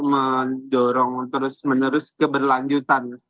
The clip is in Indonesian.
mendorong terus menerus keberlanjutan